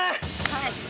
はい！